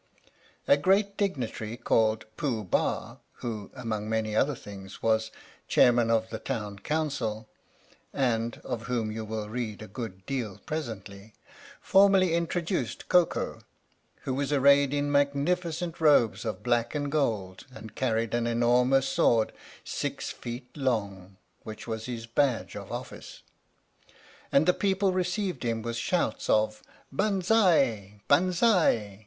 A great dignitary called 12 THE STORY OF THE MIKADO Pooh Bah who, among many other things, was Chair man of the Town Council (and of whom you will read a good deal presently), formally introduced Koko (who was arrayed in magnificent robes of black and gold and carried an enormous sword, six feet long, which was his badge of office), and the people received him with shouts of " Banzai, Banzai!"